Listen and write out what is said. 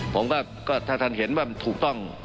ผมก็ถ้าท่านเห็นว่ามันถูกต้อง